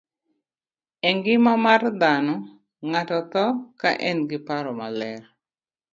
E ngima mar dhano, ng'ato tho ka en gi paro maler.